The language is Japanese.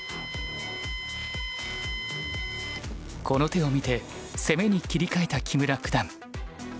この手を見て攻めに切り替えた木村九段。